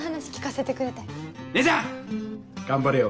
頑張れよ。